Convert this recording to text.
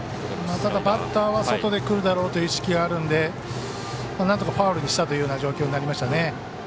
ただ、バッターは外でくるだろうという意識があるんで、なんとかファウルにしたというような状況になりましたね。